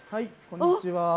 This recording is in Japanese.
こんにちは。